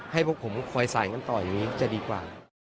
ให้พวกผมคอยใส่กันต่ออย่างนี้จะดีกว่า